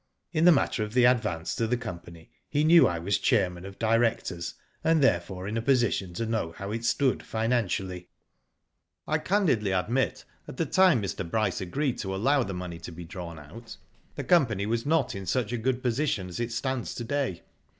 In the matter of the advance to the company, he knew I was chairman of directors, and therefore in a position to know how it stood financially. " I candidly admit at the time Mr. Bryce agreed to allow the money to be drawn out, the com pany was not in such a good position as it stands to day.